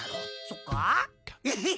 そっか。